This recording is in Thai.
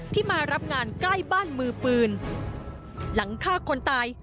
มารับงานใกล้บ้านมือปืนหลังฆ่าคนตาย